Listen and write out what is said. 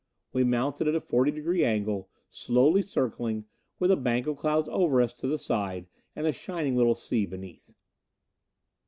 We mounted at a forty degree angle, slowly circling, with a bank of clouds over us to the side and the shining little sea beneath.